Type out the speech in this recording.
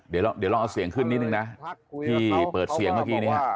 เดี๋ยวลองเอาเสียงขึ้นนิดนึงนะที่เปิดเสียงเมื่อกี้นี้